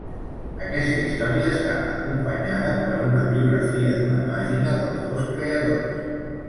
Aquesta història està acompanyada per una biografia d'una pàgina dels dos creadors.